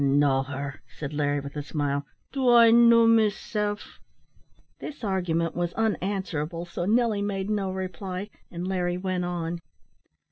"Know her!" said Larry, with a smile. "Do I know meself?" This argument was unanswerable, so Nelly made no reply, and Larry went on.